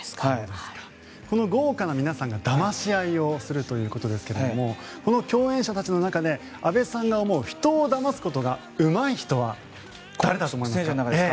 豪華な皆さんがだまし合いをするということですけれども共演者たちの中で阿部さんが思う人をだますことがうまい人は誰だと思いますか？